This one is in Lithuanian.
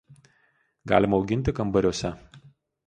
Galima auginti kambariuose.